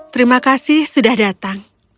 terima kasih sudah datang